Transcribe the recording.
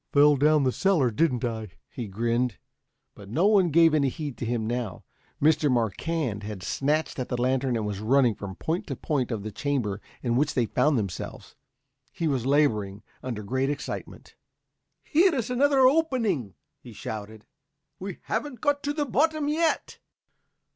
"Fell down the cellar, didn't I?" he grinned. But no one gave any heed to him now. Mr. Marquand had snatched at the lantern and was running from point to point of the chamber in which they found themselves. He was laboring under great excitement. "Here's another opening," he shouted. "We haven't got to the bottom yet."